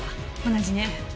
同じね。